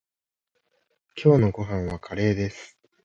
今日のご飯はカレーです。